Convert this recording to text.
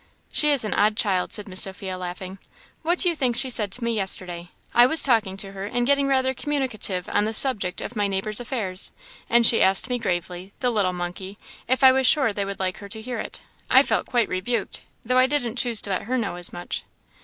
"She is an odd child," said Miss Sophia, laughing. "What do you think she said to me yesterday? I was talking to her, and getting rather communicative on the subject of my neighbours' affairs; and she asked me gravely the little monkey! if I was sure they would like her to hear it? I felt quite rebuked, though I didn't choose to let her know as much."